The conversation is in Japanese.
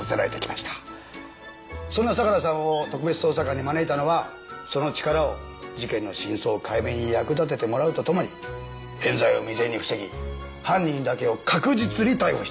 そんな相良さんを特別捜査官に招いたのはその力を事件の真相解明に役立ててもらうとともに冤罪を未然に防ぎ犯人だけを確実に逮捕したいからです。